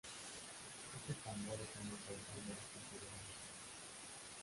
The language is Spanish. Este tambor está en el corazón de las culturas africanas.